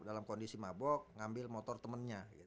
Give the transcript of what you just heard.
dalam kondisi mabok ngambil motor temennya